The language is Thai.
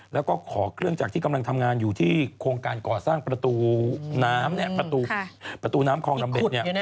แล้วก็ขอเครื่องจากที่กำลังทำงานอยู่ที่โครงการก่อสร้างประตูน้ำประตูน้ำคลองดำเบ็ด